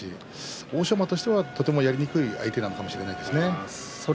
欧勝馬としては、とてもやりにくい相手かもしれません。